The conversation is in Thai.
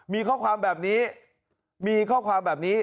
มีข้อความแบบนี้